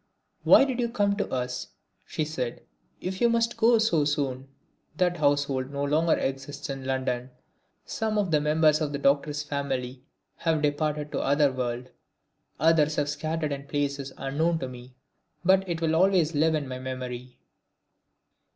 "Why did you come to us," she said, "if you must go so soon?" That household no longer exists in London. Some of the members of the Doctor's family have departed to the other world, others are scattered in places unknown to me. But it will always live in my memory.